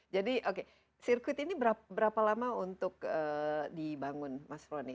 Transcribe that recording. jadi oke sirkuit ini berapa lama untuk dibangun mas roni